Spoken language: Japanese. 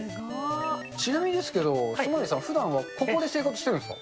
ちなみにですけど、ソマリさん、ふだんはここで生活してるんですか？